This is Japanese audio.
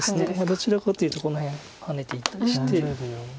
どちらかというとこの辺ハネていったりして。